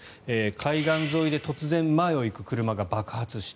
海岸沿いで突然、前を行く車が爆発した。